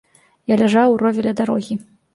Я ляжаў у рове ля дарогі.